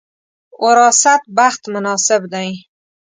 وراثت بخت مناسب دی.